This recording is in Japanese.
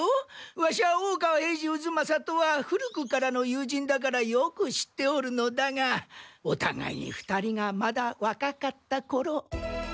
ワシャ大川平次渦正とは古くからの友人だからよく知っておるのだがおたがいに２人がまだ若かった頃。